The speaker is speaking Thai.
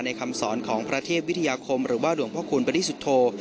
คำสอนของพระเทพวิทยาคมหรือว่าหลวงพระคุณบริสุทธโธ